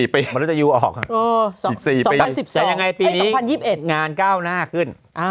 ๒๐๑๒ปีนี้งาน๙หน้าขึ้น